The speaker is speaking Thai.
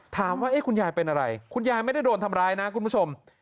คุณยายเป็นอะไรคุณยายไม่ได้โดนทำร้ายนะคุณผู้ชม